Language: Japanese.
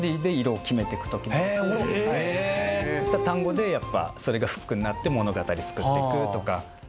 単語でやっぱそれがフックになって物語作ってくとか。